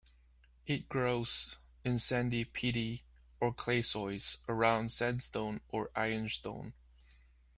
It grows in sandy, peaty or clay soils around sandstone or ironstone.